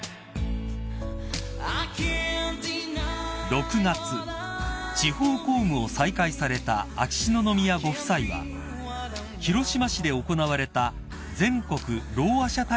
［６月地方公務を再開された秋篠宮ご夫妻は広島市で行われた全国ろうあ者大会にご出席］